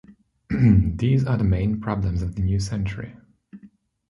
These are the main problems of the new century.